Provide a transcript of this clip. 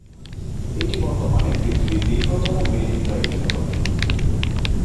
এটি বর্তমানে পৃথিবীর দীর্ঘতম মেরিন ড্রাইভ সড়ক।